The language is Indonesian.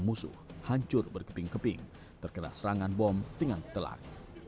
musuh hancur berkeping keping terkena serangan bom dengan telak